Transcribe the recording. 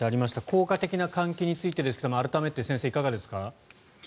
効果的な換気についてですが改めて先生、いかがですか？